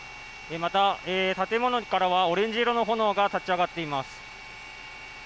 また建物からはオレンジ色の炎が立ち上がっています。